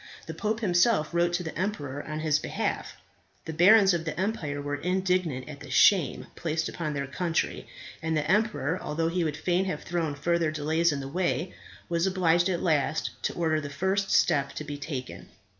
The pope himself wrote to the emperor on his behalf. The barons of the empire were indignant at the shame placed upon their country; and the emperor, although he would fain have thrown further delays in the way, was obliged at last to order the first step to be taken.